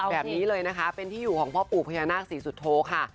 แบบนี้เลยนะคะเป็นที่อยู่ของพ่อปู่พญานาคศรีสุโธค่ะ